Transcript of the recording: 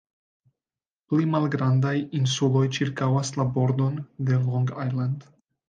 Pli malgrandaj insuloj ĉirkaŭas la bordon de Long Island.